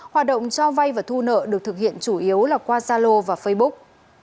hoạt động cho vay và thu nợ được thực hiện chủ yếu là qua zalo và facebook